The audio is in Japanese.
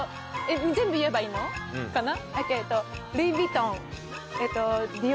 全部言えばいいのかな？